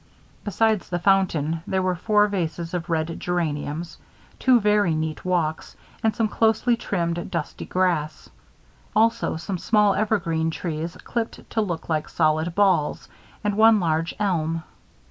Besides the fountain, there were four vases of red geraniums, two very neat walks, and some closely trimmed, dusty grass. Also, some small evergreen trees, clipped to look like solid balls, and one large elm.